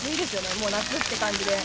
もう夏っていう感じで。